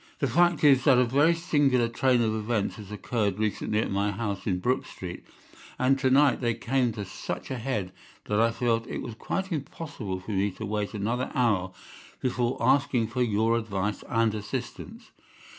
The fact is that a very singular train of events has occurred recently at my house in Brook Street, and to night they came to such a head that I felt it was quite impossible for me to wait another hour before asking for your advice and assistance."